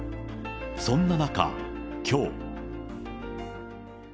そんな中、きょう。